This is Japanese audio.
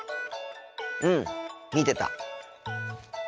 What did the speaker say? うん見てた。